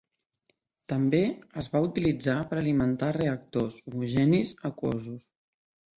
També es va utilitzar per alimentar reactors homogenis aquosos.